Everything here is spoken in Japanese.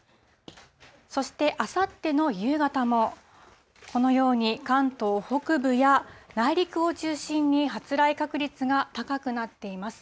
そしてあさっての夕方も、このように関東北部や内陸を中心に発雷確率が高くなっています。